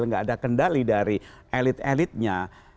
nggak ada kendali dari elit elitnya